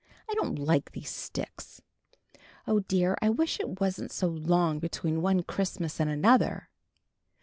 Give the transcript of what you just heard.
I don't like these sticks. Oh, dear, I wish it wasn't so long between one Christmas and another."